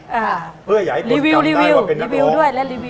อ่าเพื่ออยากให้คนจำได้ว่าเป็นนักโตรีวิวด้วยและรีวิวด้วย